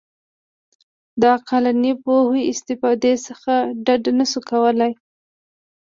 د عقلاني پوهو استفادې څخه ډډه نه شو کولای.